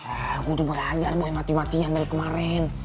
aku tuh belajar boy mati matian dari kemarin